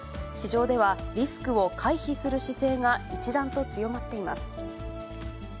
市場では、リスクを回避する姿勢が一段と強まっています。